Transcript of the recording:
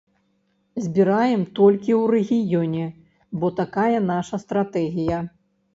Збіраем толькі ў рэгіёне, бо такая наша стратэгія.